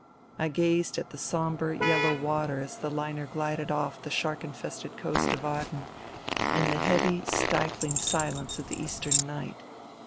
I gazed at the sombre, yellow water as the liner glided off the shark infested coast of Aden in the heavy, stifling silence of the eastern night.